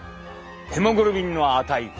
ヘモグロビンの値。